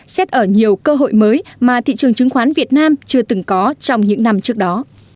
xét ở nhiều cơ hội mới mà thị trường chứng khoán việt nam chưa từng có trong những năm trước đó